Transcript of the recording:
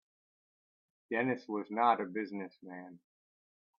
Dennis was not a business man.